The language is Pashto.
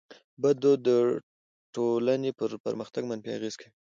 بد دود د ټټولني پر پرمختګ منفي اغېز کوي.